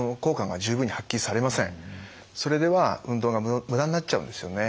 それでは運動が無駄になっちゃうんですよね。